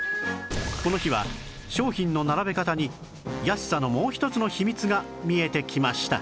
この日は商品の並べ方に安さのもう一つの秘密が見えてきました